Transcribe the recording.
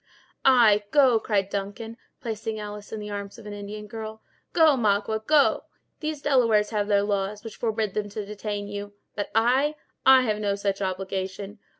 "Ay, go," cried Duncan, placing Alice in the arms of an Indian girl; "go, Magua, go. These Delawares have their laws, which forbid them to detain you; but I—I have no such obligation.